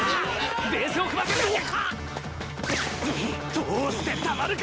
通してたまるか！